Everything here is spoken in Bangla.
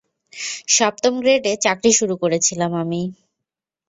সপ্তম গ্রেডে চাকরি শুরু করেছিলাম আমি।